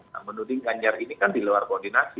yang menurut saya kan kanjar ini kan di luar koordinasi